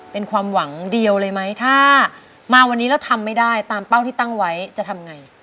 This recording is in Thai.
เป็นความหวังเดียวเลยไหมถ้ามาวันนี้แล้วทำไม่ได้ตามเป้าที่ตั้งไว้จะทำไง